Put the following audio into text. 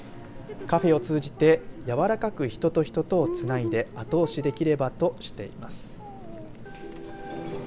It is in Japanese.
カフェを通じて柔らかく人と人とをつないで後押しできればとしています。